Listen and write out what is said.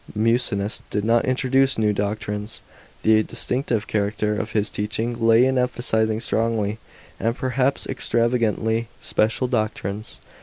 Musonius did not introduce new doctrines; the distinctive character of his teaching lay in emphasizing strongly, and perhaps extrava gantly, spec'al doctrines.